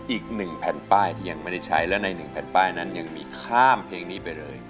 อีกหนึ่งแผ่นป้ายที่ยังไม่ได้ใช้และใน๑แผ่นป้ายนั้นยังมีข้ามเพลงนี้ไปเลย